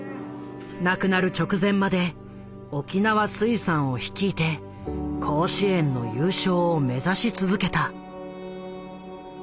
亡くなる直前まで沖縄水産を率いて甲子園の優勝を目指し続けた。